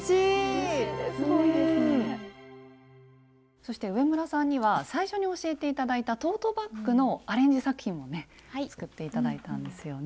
そして上村さんには最初に教えて頂いたトートバッグのアレンジ作品もね作って頂いたんですよね。